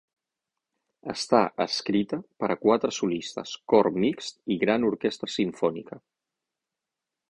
Està escrita per a quatre solistes, cor mixt i gran orquestra simfònica.